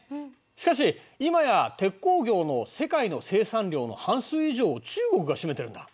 しかし今や鉄鋼業の世界の生産量の半数以上を中国が占めてるんだ。